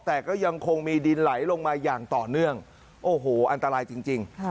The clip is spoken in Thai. แต่ก็ยังคงมีดินไหลลงมาอย่างต่อเนื่องโอ้โหอันตรายจริง